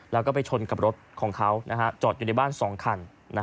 แล้วก็ไปชนกับรถของเขานะฮะจอดอยู่ในบ้านสองคันนะครับ